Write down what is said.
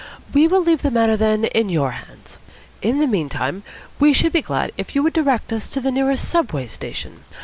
We will leave the matter, then, in your hands. In the meantime, we should be glad if you would direct us to the nearest Subway station.